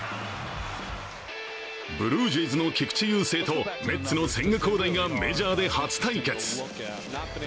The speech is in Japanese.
ブルージェイズの菊池雄星とメッツの千賀滉大がメジャーで初対決。